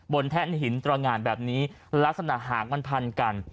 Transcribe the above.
แท่นหินตรงานแบบนี้ลักษณะหางมันพันกัน